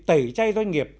tẩy chay doanh nghiệp